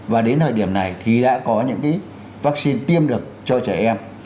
và đến thời điểm này thì đã có những vaccine tiêm được cho trẻ em